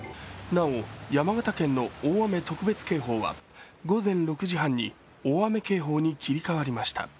なお山形県の大雨特別警報は午前６時半に大雨警報に切り替わりました。